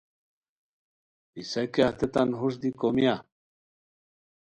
پِسہ کیہ ہتیتان ہوݰ دی کومیا؟